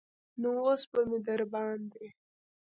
نو اوس به مې درباندې.